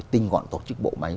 tinh gọn tổ chức bộ máy